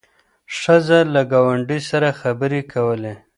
ښځه له ګاونډۍ سره خبرې کولې.